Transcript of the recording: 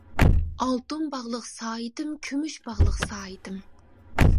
ئالتۇن باغلىق سائىتىم، كۈمۈش باغلىق سائىتىم.